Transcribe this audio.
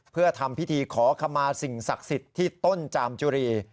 เพื่อทำพิธีขอขมาสิ่งศักดิ์สิทธิ์ที่ต้นจามจุรี